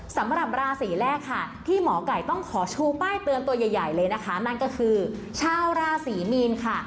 สำหรับราศีแรกค่ะที่หมอไก่ต้องขอชูป้ายเตือนตัวใหญ่ใหญ่เลยนะคะนั่นก็คือชาวราศรีมีนค่ะ